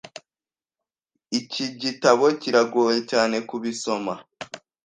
Iki gitabo kirangoye cyane kubisoma.